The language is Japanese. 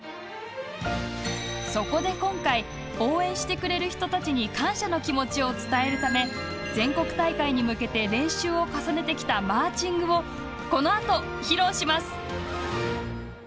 そこで今回応援してくれる人たちに感謝の気持ちを伝えるため全国大会に向けて練習を重ねてきたマーチングをこのあと、披露します。